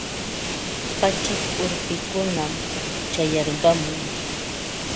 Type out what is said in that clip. Pachak urpikunam chayarqamun.